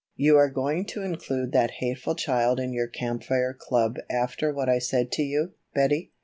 "You are going to include that hateful child in your Camp Fire Club after what I said to you, Betty?"